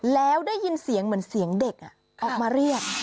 แล้วได้ยินเสียงเหมือนเสียงเด็กออกมาเรียก